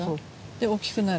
で大きくなる。